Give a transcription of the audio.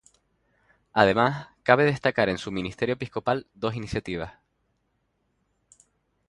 Además cabe destacar en su ministerio episcopal dos iniciativas.